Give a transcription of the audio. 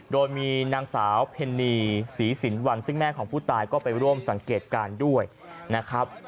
แล้วเพนนีศรีศิลป์วันซึ่งแม่ของผู้ตายก็ไปร่วมสังเกตการณ์ด้วยนะครับ